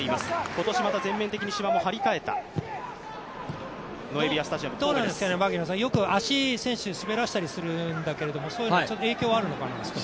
今年、全面的にまた芝もはり替えたノエビアスタジアムです足、選手、滑らせたりするんだけど、そういうのは影響があるのかな？